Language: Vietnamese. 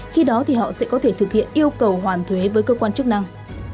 khi đó thì họ sẽ có thể thực hiện yêu cầu hoàn thuế với cơ quan chức năng